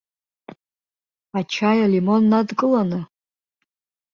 Ачаи алимон надкыланы?